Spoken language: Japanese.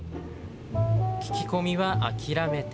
聞き込みは諦めて。